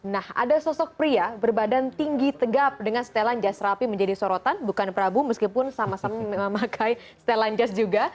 nah ada sosok pria berbadan tinggi tegap dengan setelan jas rapi menjadi sorotan bukan prabu meskipun sama sama memakai setelan jazz juga